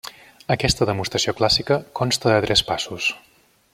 Aquesta demostració clàssica consta de tres passos.